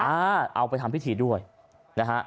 เอาไปทำพิธีด้วยนะฮะ